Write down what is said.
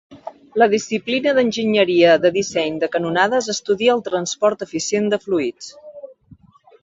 La disciplina d'enginyeria de disseny de canonades estudia el transport eficient de fluids.